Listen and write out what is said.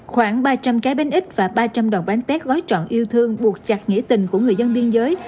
khoảng ba trăm linh cái bánh ít và ba trăm linh đòn bánh tết gói trọn yêu thương buộc chặt nghĩa tình của người dân biên giới